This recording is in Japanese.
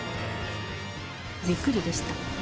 びっくりでした。